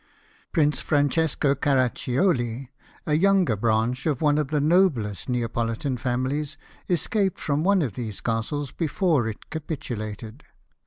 Prince Francesco CaraccioH, a younger branch of one of the noblest Neapohtan famihes, escaped from one of these castles before it capitulated.